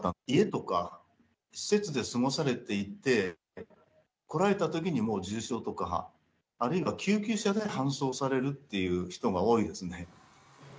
家とか、施設で過ごされていて、来られたときにもう重症とか、あるいは救急車で搬送されるっていう人が多いですね。